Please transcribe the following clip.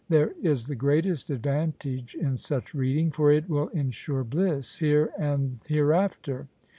There is the greatest advantage in such reading, for it will ensure bliss here and hereafter.